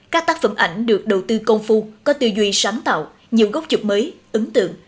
các tác phẩm ảnh được đầu tư công phu có tư duy sáng tạo nhiều gốc chụp mới ứng tượng